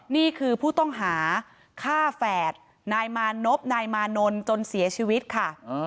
นี่คือผู้ต้องหาฆ่าแฝดนายมานพนายมานนท์จนเสียชีวิตค่ะ